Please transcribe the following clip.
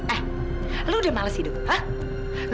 eh lu udah males hidup hah